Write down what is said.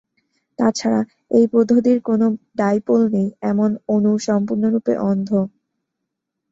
তাছাড়া, এই পদ্ধতির কোন ডাইপোল নেই এমন অণুর সম্পূর্ণরূপে অন্ধ।